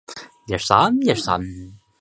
贝恩维莱尔。